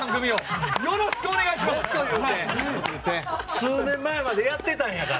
数年前までやってたんやから。